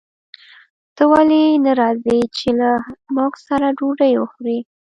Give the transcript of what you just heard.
ته ولې نه راځې چې له موږ سره ډوډۍ وخورې